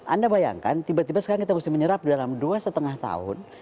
anda bayangkan tiba tiba sekarang kita mesti menyerap dalam dua lima tahun